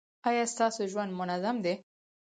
ایا ستاسو ژوند منظم دی؟